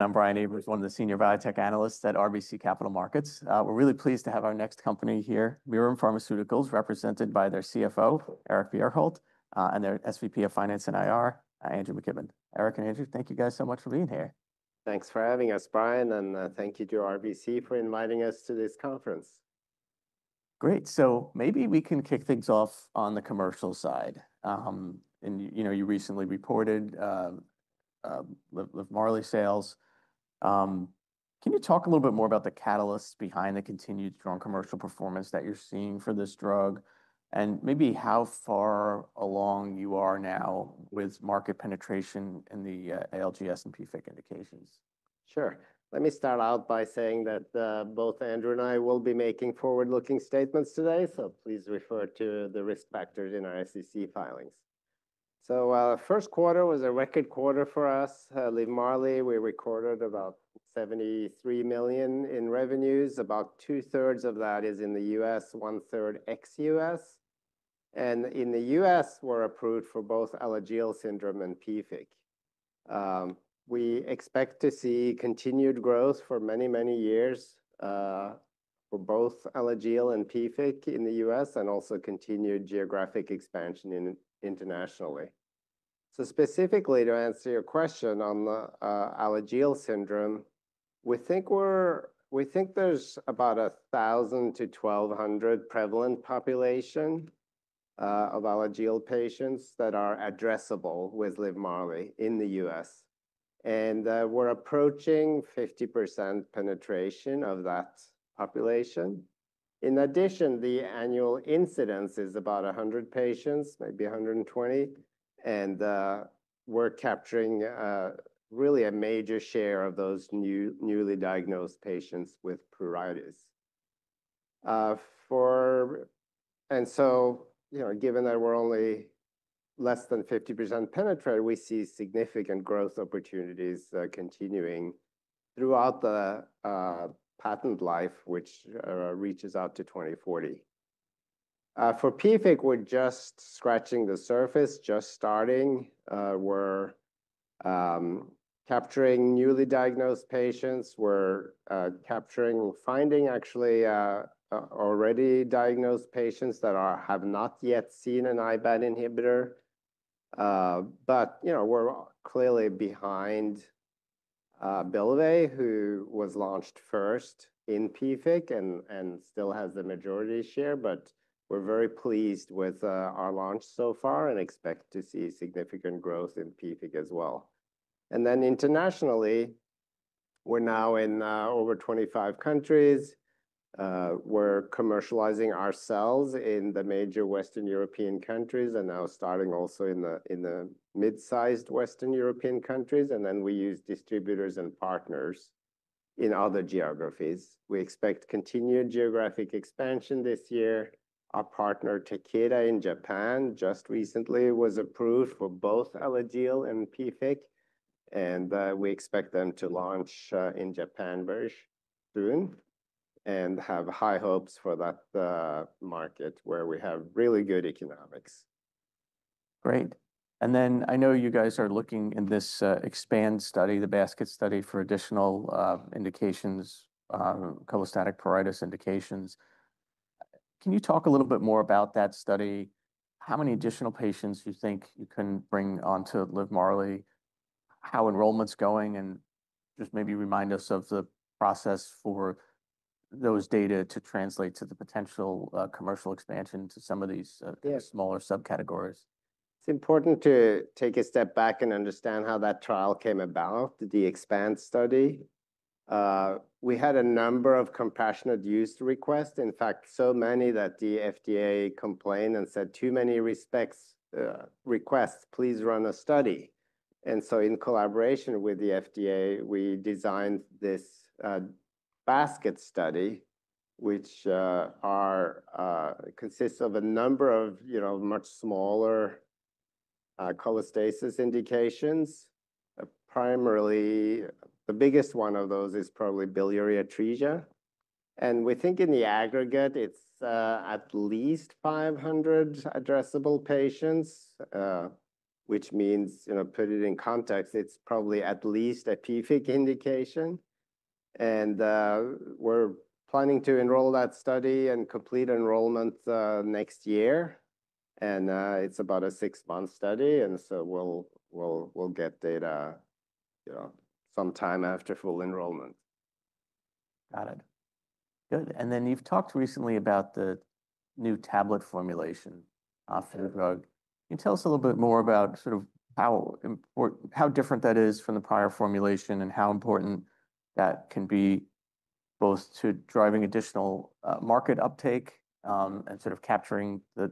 I'm Brian Abrahams, one of the senior biotech analysts at RBC Capital Markets. We're really pleased to have our next company here, Mirum Pharmaceuticals, represented by their CFO, Eric Bjerkholt, and their SVP of Finance and IR, Andrew McKibben. Eric and Andrew, thank you guys so much for being here. Thanks for having us, Brian, and thank you to RBC for inviting us to this conference. Great. Maybe we can kick things off on the commercial side. You know, you recently reported Livmarli sales. Can you talk a little bit more about the catalysts behind the continued strong commercial performance that you're seeing for this drug, and maybe how far along you are now with market penetration in the ALGS and PFIC indications? Sure. Let me start out by saying that both Andrew and I will be making forward-looking statements today, so please refer to the Risk Factors in our SEC filings. First quarter was a record quarter for us. Livmarli, we recorded about $73 million in revenues. About two-thirds of that is in the U.S., one-third ex-U.S. In the U.S., we are approved for both Alagille syndrome and PFIC. We expect to see continued growth for many, many years for both Alagille and PFIC in the U.S., and also continued geographic expansion internationally. Specifically, to answer your question on the Alagille syndrome, we think there is about 1,000-1,200 prevalent population of Alagille patients that are addressable with Livmarli in the U.S. We are approaching 50% penetration of that population. In addition, the annual incidence is about 100 patients, maybe 120, and we're capturing really a major share of those newly diagnosed patients with pruritus. And so, you know, given that we're only less than 50% penetrated, we see significant growth opportunities continuing throughout the patent life, which reaches out to 2040. For PFIC, we're just scratching the surface, just starting. We're capturing newly diagnosed patients. We're capturing, finding actually already diagnosed patients that have not yet seen an IBAT inhibitor. But, you know, we're clearly behind Bylvay, who was launched first in PFIC and still has the majority share, but we're very pleased with our launch so far and expect to see significant growth in PFIC as well. And then internationally, we're now in over 25 countries. We're commercializing ourselves in the major Western European countries and now starting also in the mid-sized Western European countries. We use distributors and partners in other geographies. We expect continued geographic expansion this year. Our partner Takeda in Japan just recently was approved for both Alagille and PFIC, and we expect them to launch in Japan very soon and have high hopes for that market where we have really good economics. Great. I know you guys are looking in this EXPAND study, the basket study for additional indications, cholestatic pruritus indications. Can you talk a little bit more about that study? How many additional patients do you think you can bring onto Livmarli? How enrollment's going? Maybe remind us of the process for those data to translate to the potential commercial expansion to some of these smaller subcategories. It's important to take a step back and understand how that trial came about, the EXPAND study. We had a number of compassionate use requests, in fact, so many that the FDA complained and said, "Too many requests, please run a study." In collaboration with the FDA, we designed this basket study, which consists of a number of, you know, much smaller cholestasis indications. Primarily, the biggest one of those is probably biliary atresia. We think in the aggregate, it's at least 500 addressable patients, which means, you know, put it in context, it's probably at least a PFIC indication. We're planning to enroll that study and complete enrollment next year. It's about a six-month study. We'll get data, you know, sometime after full enrollment. Got it. Good. You have talked recently about the new tablet formulation of the drug. Can you tell us a little bit more about sort of how important, how different that is from the prior formulation, and how important that can be both to driving additional market uptake and sort of capturing the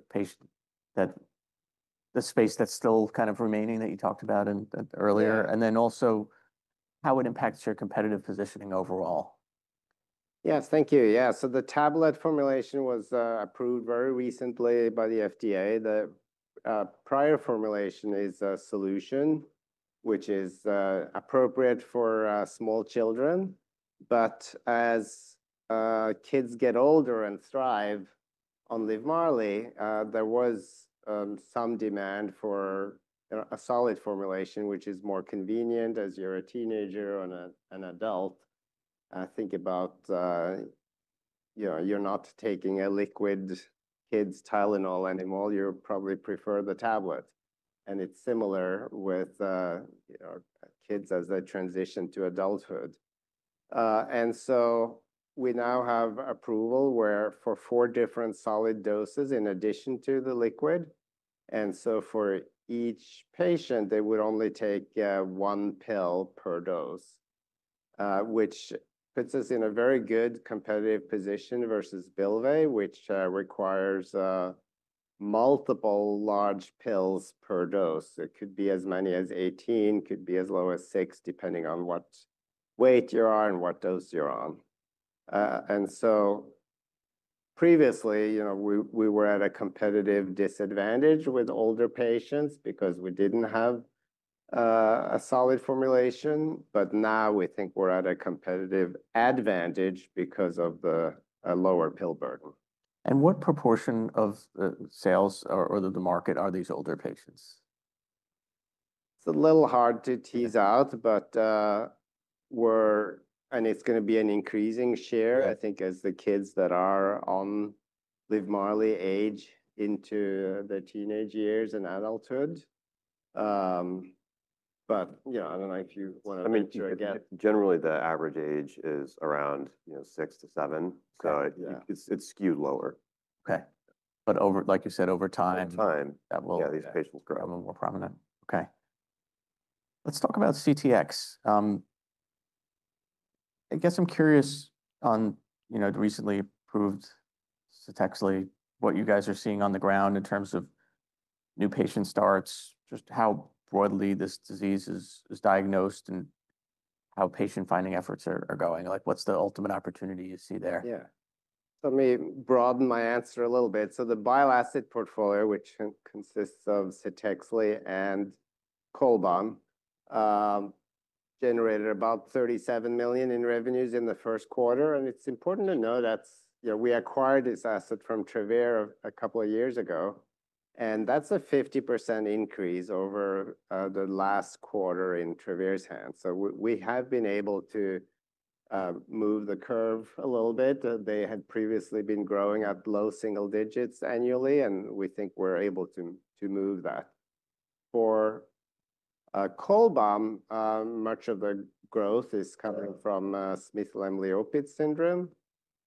space that's still kind of remaining that you talked about earlier, and then also how it impacts your competitive positioning overall? Yes, thank you. Yeah. The tablet formulation was approved very recently by the FDA. The prior formulation is a solution, which is appropriate for small children. But as kids get older and thrive on Livmarli, there was some demand for a solid formulation, which is more convenient as you're a teenager or an adult. Think about, you know, you're not taking a liquid kids' Tylenol anymore. You probably prefer the tablet. It's similar with kids as they transition to adulthood. We now have approval for four different solid doses in addition to the liquid. For each patient, they would only take one pill per dose, which puts us in a very good competitive position versus Bylvay, which requires multiple large pills per dose. It could be as many as 18, could be as low as six, depending on what weight you are and what dose you're on. Previously, you know, we were at a competitive disadvantage with older patients because we didn't have a solid formulation. Now we think we're at a competitive advantage because of the lower pill burden. What proportion of the sales or the market are these older patients? It's a little hard to tease out, but we're and it's going to be an increasing share, I think, as the kids that are on Livmarli age into the teenage years and adulthood. But, you know, I don't know if you want to mention again. Generally, the average age is around, you know, six to seven. It is skewed lower. Okay. Over, like you said, over time. These patients grow. Yeah, they'll become more prominent. Okay. Let's talk about CTX. I guess I'm curious on, you know, recently approved Cetexly, what you guys are seeing on the ground in terms of new patient starts, just how broadly this disease is diagnosed and how patient-finding efforts are going. Like, what's the ultimate opportunity you see there? Yeah. Let me broaden my answer a little bit. The bile acid portfolio, which consists of Cetexly and Cholbam, generated about $37 million in revenues in the first quarter. It is important to know that we acquired this asset from Travere a couple of years ago. That is a 50% increase over the last quarter in Travere's hands. We have been able to move the curve a little bit. They had previously been growing at low single digits annually, and we think we are able to move that. For Cholbam, much of the growth is coming from Smith-Lemli-Opitz syndrome.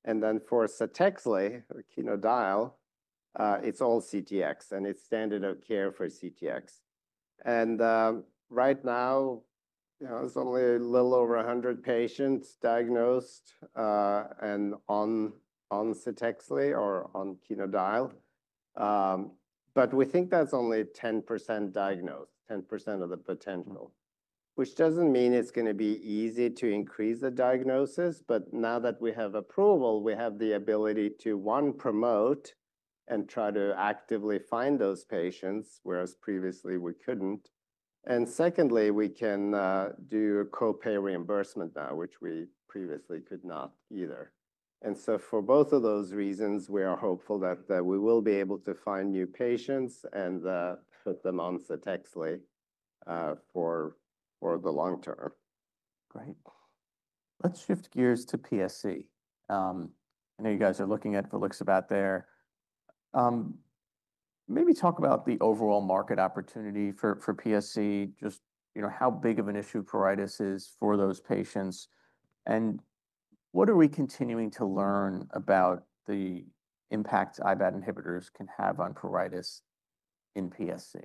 For Cetexly, it is all CTX, and it is standard of care for CTX. Right now, you know, it is only a little over 100 patients diagnosed and on Cetexly or on Cetexly. We think that's only 10% diagnosed, 10% of the potential, which doesn't mean it's going to be easy to increase the diagnosis. Now that we have approval, we have the ability to, one, promote and try to actively find those patients, whereas previously we couldn't. Secondly, we can do co-pay reimbursement now, which we previously could not either. For both of those reasons, we are hopeful that we will be able to find new patients and put them on Cetexly for the long term. Great. Let's shift gears to PSC. I know you guys are looking at what looks about there. Maybe talk about the overall market opportunity for PSC, just, you know, how big of an issue pruritus is for those patients. What are we continuing to learn about the impact IBAT inhibitors can have on pruritus in PSC?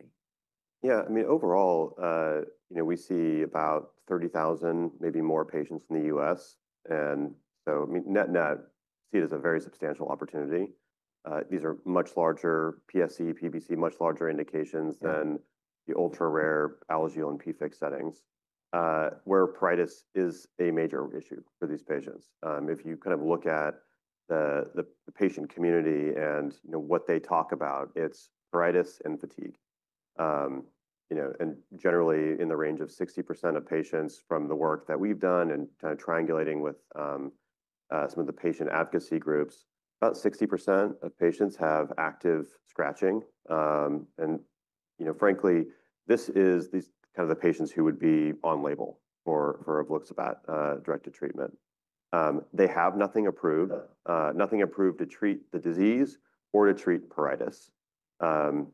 Yeah, I mean, overall, you know, we see about 30,000, maybe more patients in the U.S. And, I mean, net-net, see it as a very substantial opportunity. These are much larger PSC, PBC, much larger indications than the ultra-rare Alagille and PFIC settings, where pruritus is a major issue for these patients. If you kind of look at the patient community and, you know, what they talk about, it's pruritus and fatigue. You know, and generally in the range of 60% of patients from the work that we've done and kind of triangulating with some of the patient advocacy groups, about 60% of patients have active scratching. And, you know, frankly, this is these kind of the patients who would be on label for volixibat directed treatment. They have nothing approved, nothing approved to treat the disease or to treat pruritus.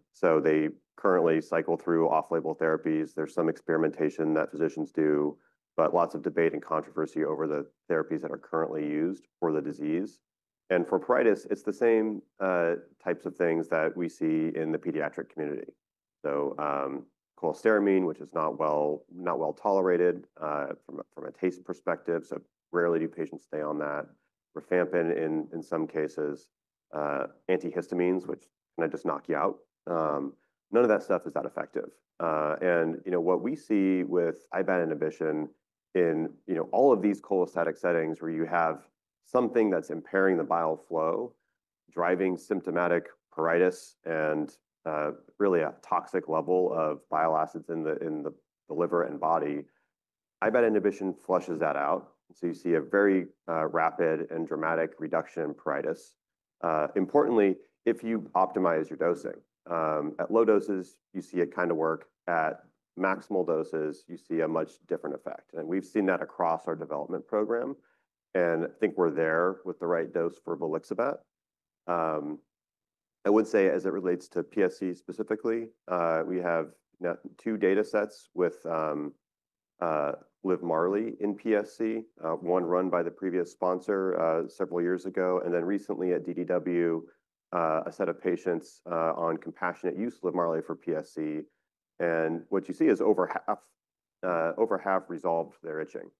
They currently cycle through off-label therapies. There's some experimentation that physicians do, but lots of debate and controversy over the therapies that are currently used for the disease. For pruritus, it's the same types of things that we see in the pediatric community. Cholestyramine, which is not well tolerated from a taste perspective, so rarely do patients stay on that. Rifampin in some cases, antihistamines, which kind of just knock you out. None of that stuff is that effective. You know, what we see with IBAT inhibition in, you know, all of these cholestatic settings where you have something that's impairing the bile flow, driving symptomatic pruritus and really a toxic level of bile acids in the liver and body, IBAT inhibition flushes that out. You see a very rapid and dramatic reduction in pruritus. Importantly, if you optimize your dosing, at low doses, you see it kind of work. At maximal doses, you see a much different effect. We've seen that across our development program. I think we're there with the right dose for volixibat. I would say as it relates to PSC specifically, we have two data sets with Livmarli in PSC, one run by the previous sponsor several years ago, and then recently at DDW, a set of patients on compassionate use of Livmarli for PSC. What you see is over half resolved their itching.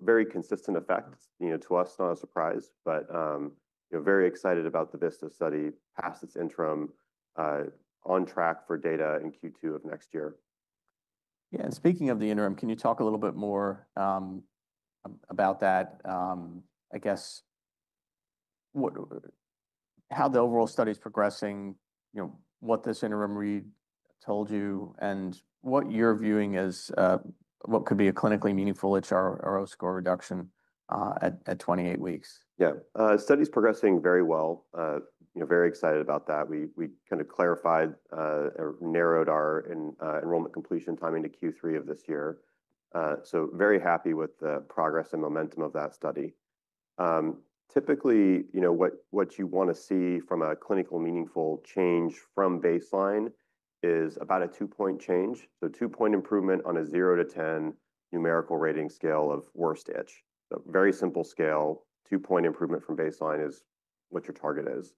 Very consistent effects, you know, to us, not a surprise, but, you know, very excited about the VISTAS study past its interim, on track for data in Q2 of next year. Yeah. And speaking of the interim, can you talk a little bit more about that? I guess how the overall study is progressing, you know, what this interim read told you, and what you're viewing as what could be a clinically meaningful ItchRO score reduction at 28 weeks. Yeah. Study's progressing very well. You know, very excited about that. We kind of clarified or narrowed our enrollment completion timing to Q3 of this year. So very happy with the progress and momentum of that study. Typically, you know, what you want to see from a clinically meaningful change from baseline is about a two-point change. So two-point improvement on a 0-10 numerical rating scale of worst itch. A very simple scale, two-point improvement from baseline is what your target is.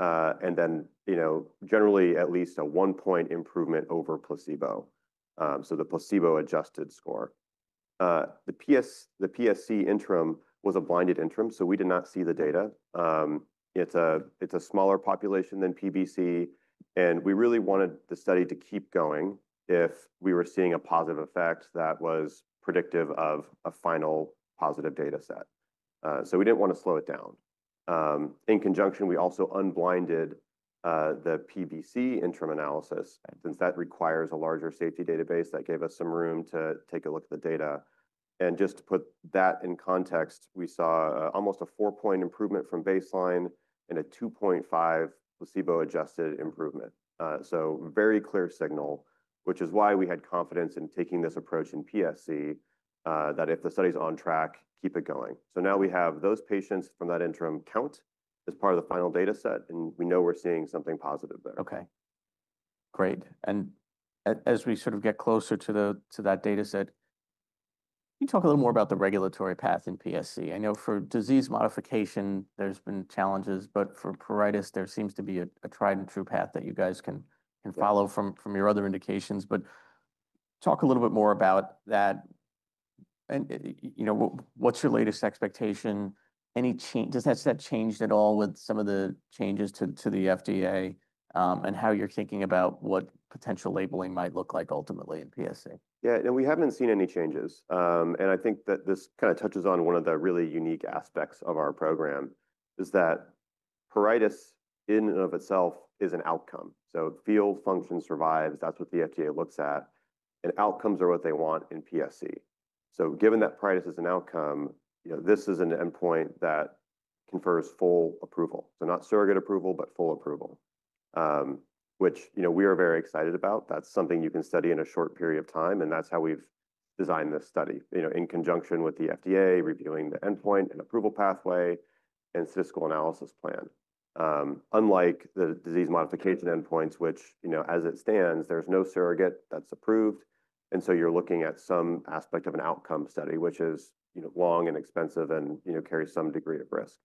And then, you know, generally at least a one-point improvement over placebo. So the placebo-adjusted score. The PSC interim was a blinded interim, so we did not see the data. It's a smaller population than PBC. And we really wanted the study to keep going if we were seeing a positive effect that was predictive of a final positive data set. We did not want to slow it down. In conjunction, we also unblinded the PBC interim analysis since that requires a larger safety database that gave us some room to take a look at the data. Just to put that in context, we saw almost a four-point improvement from baseline and a 2.5 placebo-adjusted improvement. Very clear signal, which is why we had confidence in taking this approach in PSC, that if the study is on track, keep it going. Now we have those patients from that interim count as part of the final data set, and we know we are seeing something positive there. Okay. Great. As we sort of get closer to that data set, can you talk a little more about the regulatory path in PSC? I know for disease modification, there's been challenges, but for pruritus, there seems to be a tried-and-true path that you guys can follow from your other indications. Talk a little bit more about that. You know, what's your latest expectation? Has that changed at all with some of the changes to the FDA and how you're thinking about what potential labeling might look like ultimately in PSC? Yeah. We haven't seen any changes. I think that this kind of touches on one of the really unique aspects of our program is that pruritus in and of itself is an outcome. Feel, function, survive, that's what the FDA looks at. Outcomes are what they want in PSC. Given that pruritus is an outcome, you know, this is an endpoint that confers full approval. Not surrogate approval, but full approval, which, you know, we are very excited about. That's something you can study in a short period of time. That's how we've designed this study, you know, in conjunction with the FDA reviewing the endpoint and approval pathway and statistical analysis plan. Unlike the disease modification endpoints, which, you know, as it stands, there's no surrogate that's approved. You are looking at some aspect of an outcome study, which is, you know, long and expensive and, you know, carries some degree of risk.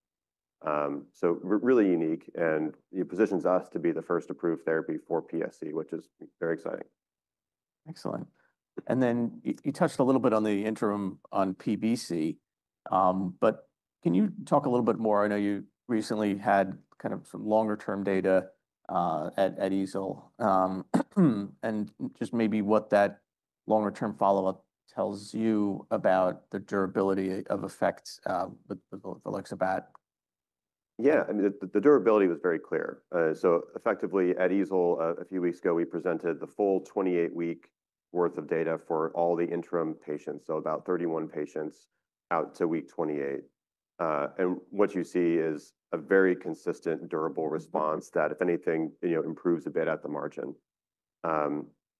Really unique. It positions us to be the first approved therapy for PSC, which is very exciting. Excellent. You touched a little bit on the interim on PBC. Can you talk a little bit more? I know you recently had kind of some longer-term data at EASL. Just maybe what that longer-term follow-up tells you about the durability of effects with volixibat. Yeah. I mean, the durability was very clear. So effectively at Easel, a few weeks ago, we presented the full 28-week worth of data for all the interim patients. So about 31 patients out to week 28. And what you see is a very consistent durable response that, if anything, you know, improves a bit at the margin.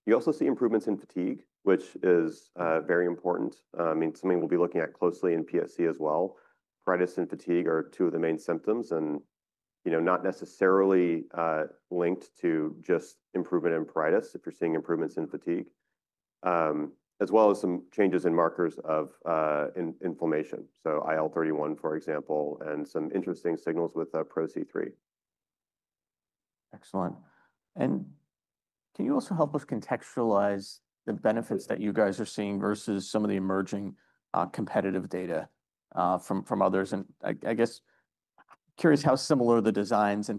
You also see improvements in fatigue, which is very important. I mean, something we'll be looking at closely in PSC as well. Pruritus and fatigue are two of the main symptoms and, you know, not necessarily linked to just improvement in pruritus if you're seeing improvements in fatigue, as well as some changes in markers of inflammation. So IL-31, for example, and some interesting signals with Pro-C3. Excellent. Can you also help us contextualize the benefits that you guys are seeing versus some of the emerging competitive data from others? I guess I'm curious how similar the designs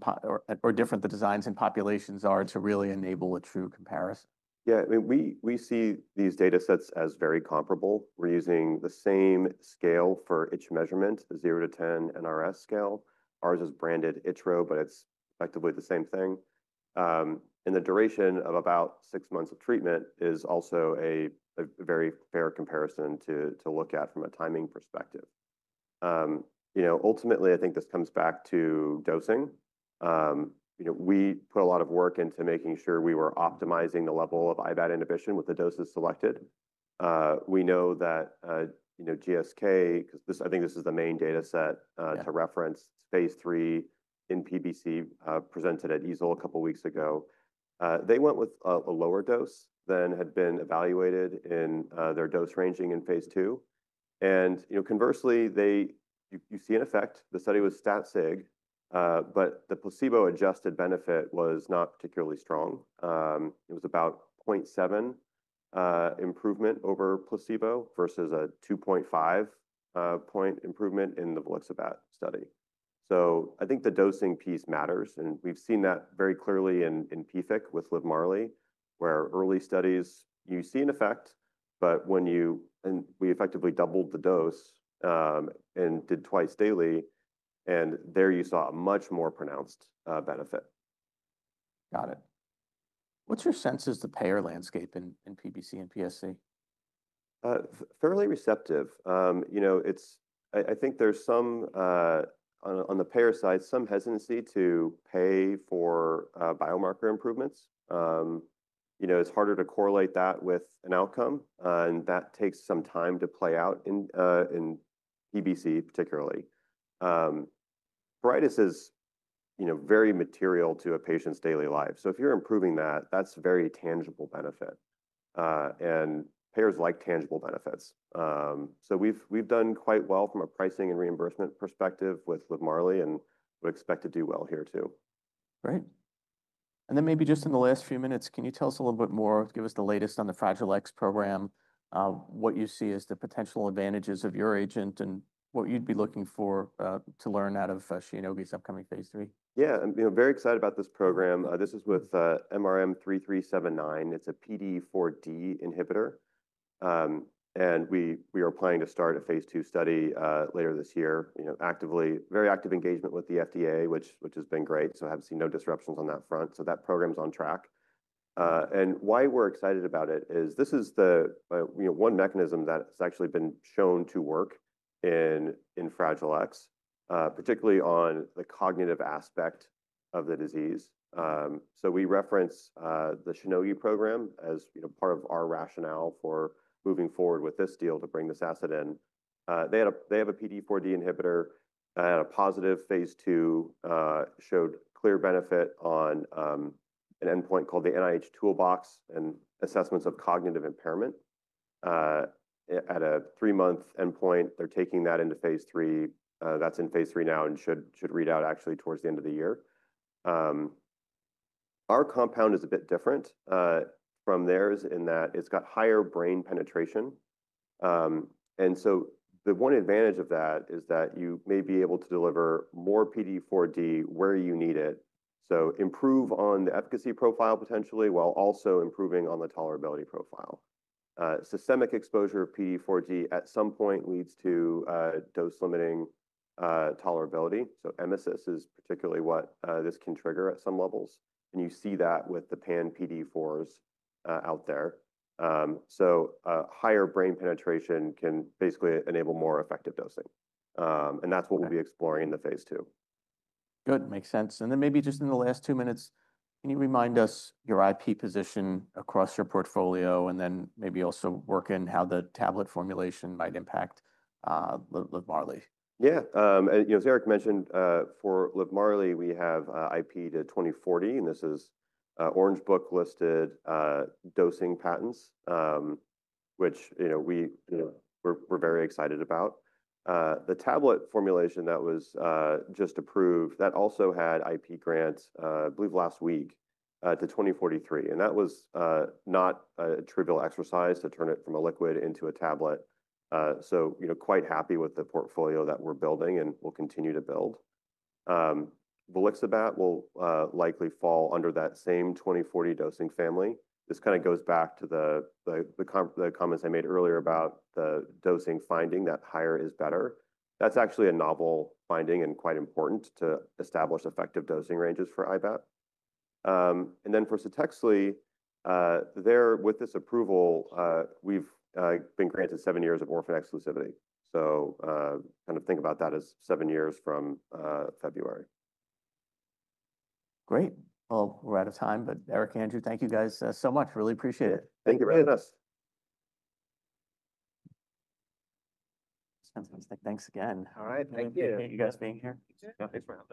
or different the designs in populations are to really enable a true comparison. Yeah. I mean, we see these data sets as very comparable. We're using the same scale for itch measurement, the 0-10 NRS scale. Ours is branded ItchRO, but it's effectively the same thing. The duration of about six months of treatment is also a very fair comparison to look at from a timing perspective. You know, ultimately, I think this comes back to dosing. You know, we put a lot of work into making sure we were optimizing the level of IBAT inhibition with the doses selected. We know that, you know, GSK, because I think this is the main data set to reference, phase three in PBC presented at EASL a couple of weeks ago. They went with a lower dose than had been evaluated in their dose ranging in phase two. You know, conversely, you see an effect. The study was stat-sig, but the placebo-adjusted benefit was not particularly strong. It was about 0.7 improvement over placebo versus a 2.5 point improvement in the Volixibat study. I think the dosing piece matters. We've seen that very clearly in PFIC with Livmarli, where early studies, you see an effect, but when you and we effectively doubled the dose and did twice daily, there you saw a much more pronounced benefit. Got it. What's your sense as the payer landscape in PBC and PSC? Fairly receptive. You know, I think there's some on the payer side, some hesitancy to pay for biomarker improvements. You know, it's harder to correlate that with an outcome. That takes some time to play out in PBC, particularly. Pruritus is, you know, very material to a patient's daily life. If you're improving that, that's a very tangible benefit. Payers like tangible benefits. We've done quite well from a pricing and reimbursement perspective with Livmarli and would expect to do well here too. Great. Maybe just in the last few minutes, can you tell us a little bit more, give us the latest on the Fragile X program, what you see as the potential advantages of your agent and what you'd be looking for to learn out of Zynerba's upcoming phase three? Yeah. I'm, you know, very excited about this program. This is with MRM-3379. It's a PDE4D inhibitor. We are planning to start a phase two study later this year, you know, actively, very active engagement with the FDA, which has been great. I haven't seen no disruptions on that front. That program's on track. Why we're excited about it is this is the, you know, one mechanism that has actually been shown to work in Fragile X, particularly on the cognitive aspect of the disease. We reference the Zynerba program as, you know, part of our rationale for moving forward with this deal to bring this asset in. They have a PDE4D inhibitor that had a positive phase two, showed clear benefit on an endpoint called the NIH Toolbox and Assessments of Cognitive Impairment. At a three-month endpoint, they're taking that into phase three. That's in phase three now and should read out actually towards the end of the year. Our compound is a bit different from theirs in that it's got higher brain penetration. The one advantage of that is that you may be able to deliver more PDE4D where you need it. Improve on the efficacy profile potentially while also improving on the tolerability profile. Systemic exposure of PDE4D at some point leads to dose-limiting tolerability. Emesis is particularly what this can trigger at some levels. You see that with the pan PDE4s out there. Higher brain penetration can basically enable more effective dosing. That is what we'll be exploring in the phase two. Good. Makes sense. Maybe just in the last two minutes, can you remind us your IP position across your portfolio and then maybe also work in how the tablet formulation might impact Livmarli? Yeah. And, you know, as Eric mentioned, for Livmarli, we have IP to 2040. And this is Orange Book listed dosing patents, which, you know, we're very excited about. The tablet formulation that was just approved, that also had IP grants, I believe last week, to 2043. And that was not a trivial exercise to turn it from a liquid into a tablet. You know, quite happy with the portfolio that we're building and will continue to build. Volixibat will likely fall under that same 2040 dosing family. This kind of goes back to the comments I made earlier about the dosing finding that higher is better. That's actually a novel finding and quite important to establish effective dosing ranges for IBAT. And then for Cetexly, there with this approval, we've been granted seven years of orphan exclusivity. Kind of think about that as seven years from February. Great. We're out of time. Eric, Andrew, thank you guys so much. Really appreciate it. Thank you very much. Thanks again. All right. Thank you. Thank you guys for being here. Thanks very much.